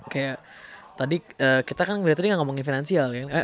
kayak tadi kita kan udah tadi gak ngomongin finansial kan